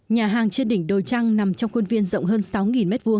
nhà hàng trên đỉnh đồi trăng nằm trong khuôn viên rộng hơn sáu m hai